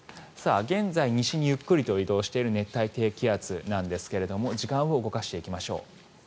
現在、西にゆっくりと移動している熱帯低気圧なんですが時間を動かしていきましょう。